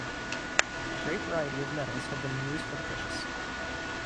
A great variety of metals have been used for the purpose.